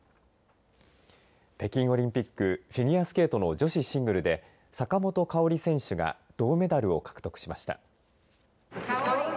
北京オリンピックフィギュアスケートの女子シングルで坂本花織選手が銅メダルを獲得しました。